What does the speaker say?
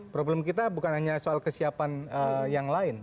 problem kita bukan hanya soal kesiapan yang lain